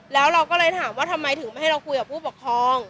แล้วเราก็เลยถามว่าทำไมถึงไม่ให้เราคุยกับผู้ปกครอง